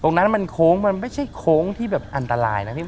ตรงนั้นมันโค้งมันไม่ใช่โค้งที่แบบอันตรายนะพี่